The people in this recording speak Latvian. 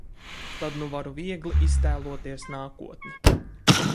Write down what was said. Tad nu varu viegli iztēloties nākotni.